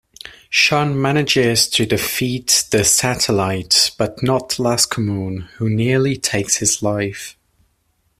Shun manages to defeat the Satellites, but not Lascomoune, who nearly takes his life.